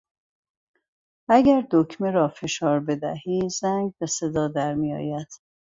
اگر دکمه را فشار بدهی زنگ به صدا در میآید.